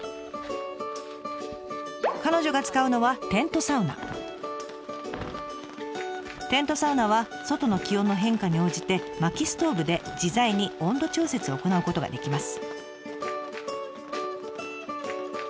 彼女が使うのはテントサウナは外の気温の変化に応じて薪ストーブで自在に温度調節を行うことができます。